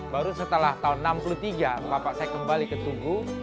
baru setelah tahun seribu sembilan ratus enam puluh tiga bapak saya kembali ke tugu